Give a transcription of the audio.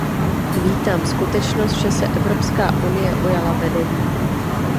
Vítám skutečnost, že se Evropská unie ujala vedení.